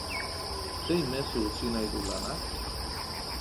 Zein mezu utzi nahi du lanak?